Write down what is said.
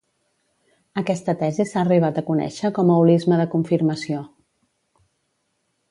Aquesta tesi s'ha arribat a conèixer com a holisme de confirmació.